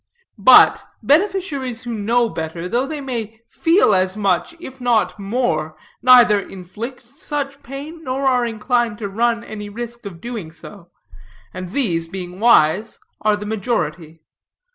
But, beneficiaries who know better, though they may feel as much, if not more, neither inflict such pain, nor are inclined to run any risk of so doing. And these, being wise, are the majority.